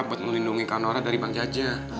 buat melindungi kak nora dari bang jajah